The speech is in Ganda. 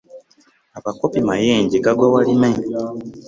Abakopi mayenje gagwa walime .